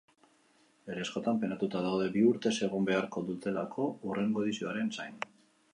Herri askotan penatuta daude bi urtez egon beharko dutelako hurrengo edizioaren zain.